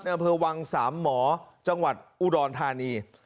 อำเภอวังสามหมอจังหวัดอุดรธานี